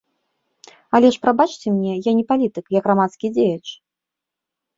Але ж, прабачце мне, я не палітык, я грамадскі дзеяч.